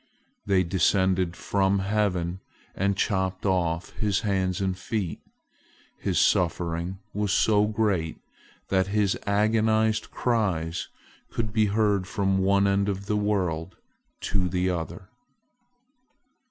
They descended from heaven, and chopped off his hands and feet. His suffering was so great that his agonized cries could be heard from one end of the world to the other.